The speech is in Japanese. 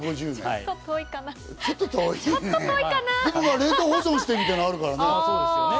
ちょっと遠いね。